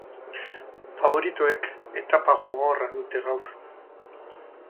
Faboritoek etapa gogorra dute gaur.